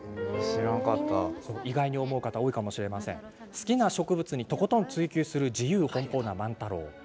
好きな植物にとことん追究する自由奔放な万太郎。